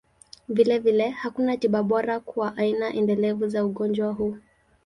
Vilevile, hakuna tiba bora kwa aina endelevu za ugonjwa huu.